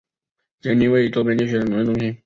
杰宁为周边地区的农业中心。